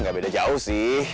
gak beda jauh sih